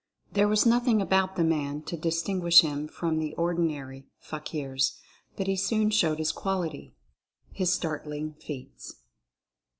There was nothing about the man to dis Oriental Fascination 161 tinguish him from the ordinary fakirs, but he soon showed his quality. HIS STARTLING FEATS.